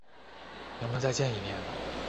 能不能再见一面？